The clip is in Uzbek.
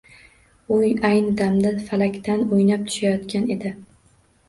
U ayni damda falakdan o‘ynab tushayotgan edi.